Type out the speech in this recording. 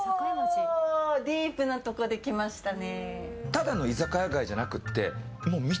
ディープなところできましたね。